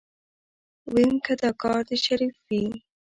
ويم که دا کار د شريف وي.